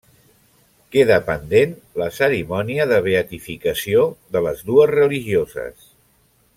Queda pendent la cerimònia de beatificació de les dues religioses.